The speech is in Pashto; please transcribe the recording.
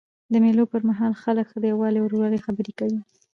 د مېلو پر مهال خلک د یووالي او ورورولۍ خبري کوي.